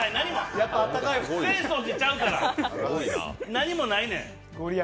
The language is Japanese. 浅草寺ちゃうから、何もないねん。